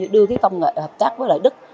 đưa cái công nghệ hợp tác với lại đức